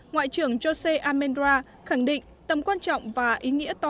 ngoại trưởng jose almendra khẳng định tầm quan trọng và ý nghĩa to lớn